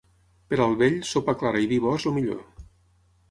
Per al vell, sopa clara i vi bo és el millor.